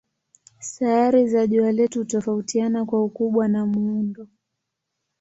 Sayari za jua letu hutofautiana kwa ukubwa na muundo.